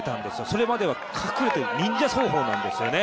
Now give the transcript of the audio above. それまでは忍者走法なんですよね。